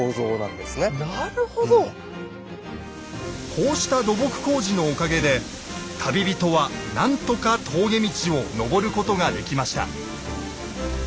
こうした土木工事のおかげで旅人は何とか峠道を上ることができました。